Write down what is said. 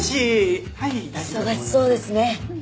忙しそうですね。